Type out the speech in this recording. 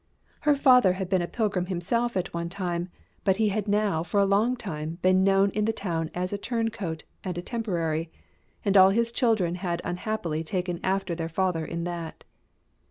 Her father had been a pilgrim himself at one time; but he had now for a long time been known in the town as a turncoat and a temporary, and all his children had unhappily taken after their father in that.